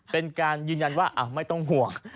เป็นการยืนยันว่าไม่ต้องห่วง